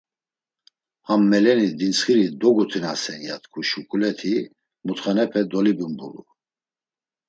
“Ham melemi dintsxiri dogutinasen.” ya t̆ǩu şuǩuleti mutxanepe dolibumbulu.